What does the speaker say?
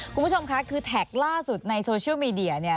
คุณผู้ชมค่ะคือแท็กล่าสุดในโซเชียลมีเดียเนี่ย